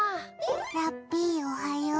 ラッピー、おはよう。